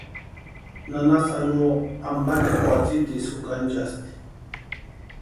Nana Saluo ampakiti kwatsitisï jukanchasti.